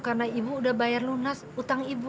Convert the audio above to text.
karena ibu udah bayar lunas hutang ibu